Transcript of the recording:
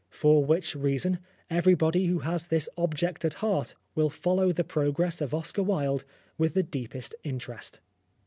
For which reason everybody who has this object at heart will follow the progress of Oscar Wilde with the deepest interest.